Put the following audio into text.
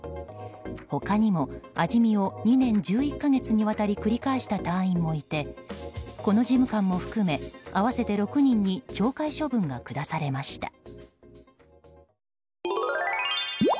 他にも、味見を２年１１か月にわたり繰り返した隊員もいてこの事務官も含め合わせて６人に懲戒処分が下されました。